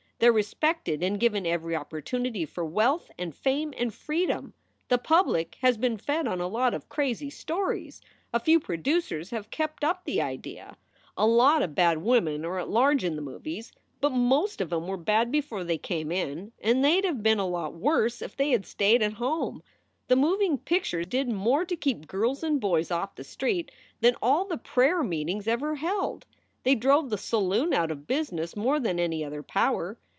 They re respected and given every opportunity for wealth and fame and freedom. The public has been fed on a lot of crazy stories. A few producers have kept up the idea. "A lot of bad women are at large in the movies, but most of em were bad before they came in and they d have been a lot worse if they had stayed at home. The moving picture did more to keep girls and boys off the streets than all the prayer meetings ever held. They drove the saloon out of business more than any other power.